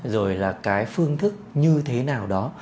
rồi là cái phương thức như thế nào đó